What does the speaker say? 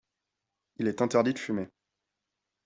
il est interdit de fumer.